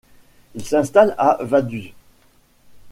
Il s'installe à Vaduz.